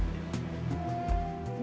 saya bukan takut tapi hormat